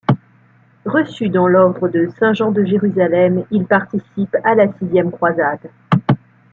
Reçu dans l'ordre de Saint-Jean de Jérusalem, il participe à la sixième croisade.